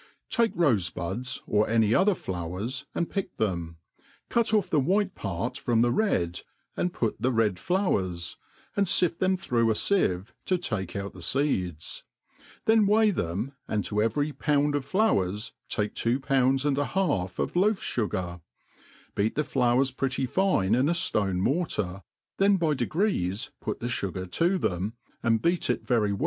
TAKE rofe buds, or Any other flowers, and pick them ; cut off the white part from the red, and put the red flowers, and fift them through a fieve, to take out the feeds ; then weigh them, and to every pound of flowers take two pounds and a half of loaf fugar \ beat the flowers pretty fine in a flone mor tar% then by degrees put the fugar to thrm, and beat it very well. MADE PLAIN AND EASY.